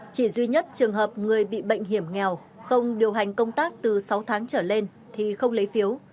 chỉ duy nhất trường hợp người bị bệnh hiểm nghèo không điều hành công tác từ sáu tháng trở lên thì không lấy phiếu